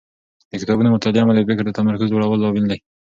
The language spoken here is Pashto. د کتابونو مطالعه مو د فکري تمرکز د لوړولو لامل دی.